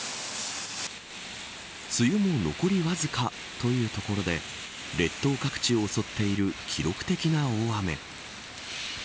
梅雨も残りわずかというところで列島各地を襲っている記録的な大雨。